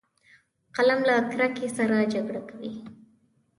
قلم له کرکې سره جګړه کوي